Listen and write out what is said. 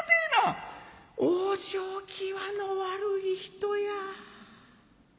「往生際の悪い人や。